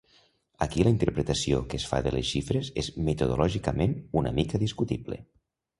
Aquí la interpretació que es fa de les xifres és metodològicament una mica discutible.